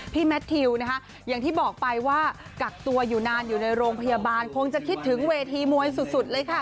แมททิวนะคะอย่างที่บอกไปว่ากักตัวอยู่นานอยู่ในโรงพยาบาลคงจะคิดถึงเวทีมวยสุดเลยค่ะ